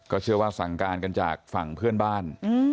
เชื่อว่าสั่งการกันจากฝั่งเพื่อนบ้าน